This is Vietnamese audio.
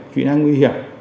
truy nã nguy hiểm